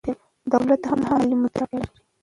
دولت هم مالي مدیریت ته اړتیا لري.